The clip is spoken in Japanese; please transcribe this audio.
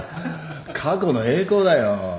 過去の栄光だよ。